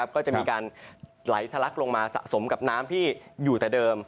ก็จะมีการไหลทะลักลงมาสะสมกับน้ำที่อยู่แต่เดิม